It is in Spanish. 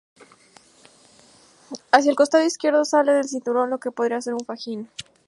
Hacia el costado izquierdo sale del cinturón lo que podría ser un fajín.